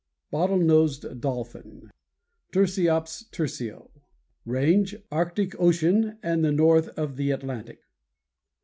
Page 134. =BOTTLE NOSED DOLPHIN.= Tursiops tursio. RANGE Arctic ocean and the north of the Atlantic.